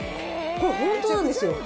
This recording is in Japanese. これ、本当なんですよ。